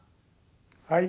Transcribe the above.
はい。